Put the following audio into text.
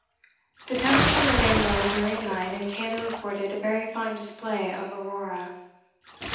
The temperature remained low during night and Taylor reported a very fine display of Aurora.